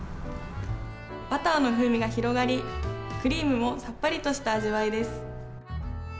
バターの風味が広がり、クリームもさっぱりとした味わいです。